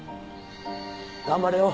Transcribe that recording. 頑張れよ。